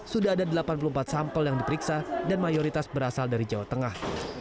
sudah ada delapan puluh empat sampel yang diperiksa dan mayoritas berasal dari jawa tengah